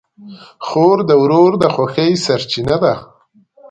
خور د ورور د خوښۍ سرچینه ده.